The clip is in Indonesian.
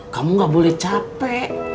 kamu gak boleh capek